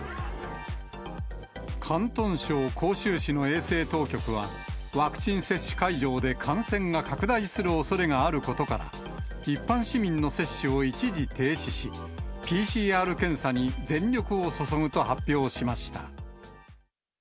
広東省広州市の衛生当局は、ワクチン接種会場で感染が拡大するおそれがあることから、一般市民の接種を一時停止し、ＰＣＲ検査に全力を注ぐと発表しました。